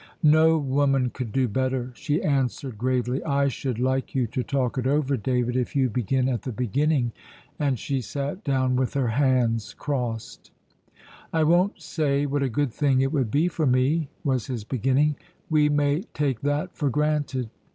"No woman could do better," she answered gravely. "I should like you to talk it over, David, if you begin at the beginning"; and she sat down with her hands crossed. "I won't say what a good thing it would be for me," was his beginning; "we may take that for granted."